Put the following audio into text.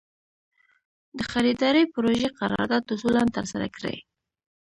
د خریدارۍ پروژې قرارداد اصولاً ترسره کړي.